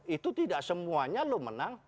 itu tidak semuanya lo menang